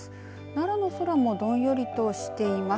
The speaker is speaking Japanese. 奈良の空もどんよりとしています。